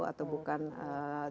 atau bukan di bawah